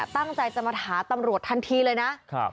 ตั้งใจจะมาหาตำรวจทันทีเลยนะ